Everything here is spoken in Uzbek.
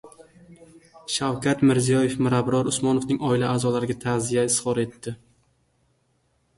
Shavkat Mirziyoyev Mirabror Usmonovning oila a’zolariga ta’ziya izhor etdi